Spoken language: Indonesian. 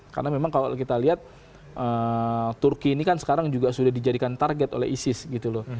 karena memang kalau kita lihat turki ini kan sekarang juga sudah dijadikan target oleh isis gitu loh